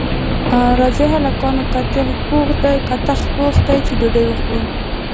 راځئ هلکانو کتغ پوخ دی چې ډوډۍ وخورو